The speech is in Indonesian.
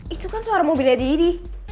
itu kan suara mobilnya didi